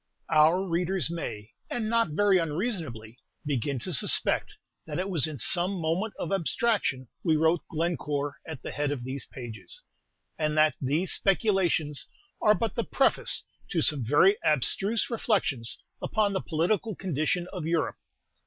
Our readers may, and not very unreasonably, begin to suspect that it was in some moment of abstraction we wrote "Glencore" at the head of these pages, and that these speculations are but the preface to some very abstruse reflections upon the political condition of Europe.